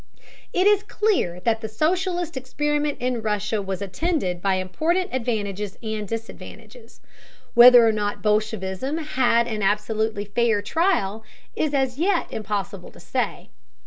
It is clear that the socialist experiment in Russia was attended by important advantages and disadvantages. Whether or not bolshevism had an absolutely fair trial is as yet impossible to say.